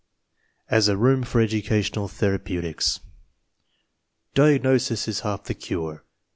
AS A ROOM FOR EDUCATIONAL THERAPEUTICS "Diagnosis is half the cure."